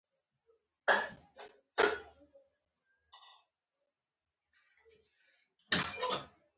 په یو زر درې سوه نهه کال کې بشپړه کړې وه.